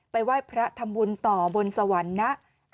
ไปไหว้พระธรรมวลต่อบนสวรรค์นะ